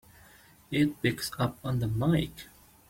It picks up on the mike!